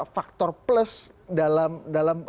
faktor plus dalam